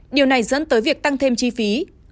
điều này dẫn tới việc tăng thêm chi phí